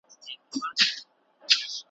نه امید یې له قفسه د وتلو `